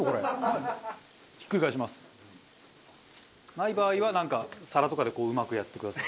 ない場合はなんか皿とかでうまくやってください。